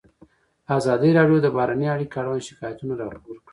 ازادي راډیو د بهرنۍ اړیکې اړوند شکایتونه راپور کړي.